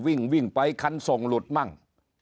วิ่งไปคันส่งหลุดมั่ง